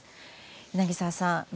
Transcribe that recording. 柳澤さん。